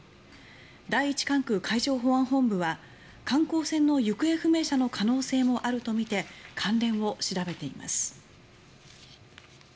第一管区海上保安本部は観光船の行方不明者の可能性もあるとみて関連を調べています。